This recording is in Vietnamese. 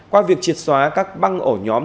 qua việc triệt xóa các băng ổ nhóm